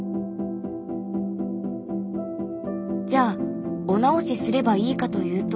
じゃあお直しすればいいかというと。